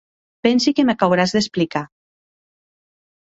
Pensi que m'ac auràs d'explicar.